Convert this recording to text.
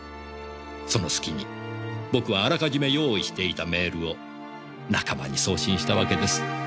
そのすきに僕はあらかじめ用意していたメールを仲間に送信したわけです。